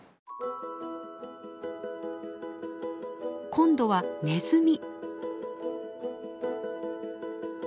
今度はネズミ。